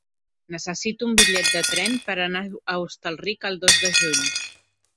Necessito un bitllet de tren per anar a Hostalric el dos de juny.